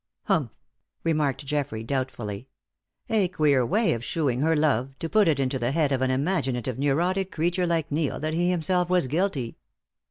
"Humph!" remarked Geoffrey, doubtfully. "A queer way of shewing her love, to put it into the head of an imaginative neurotic creature like Neil that he himself was guilty!"